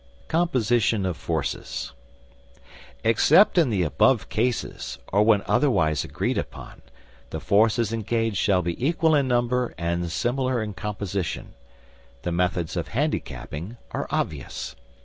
COMPOSITION OF FORCES Except in the above cases, or when otherwise agreed upon, the forces engaged shall be equal in number and similar in composition. The methods of handicapping are obvious.